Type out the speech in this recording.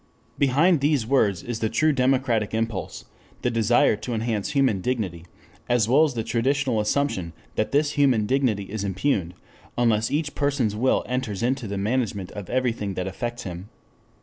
Behind these words is the true democratic impulse, the desire to enhance human dignity, as well as the traditional assumption that this human dignity is impugned, unless each person's will enters into the management of everything that affects him.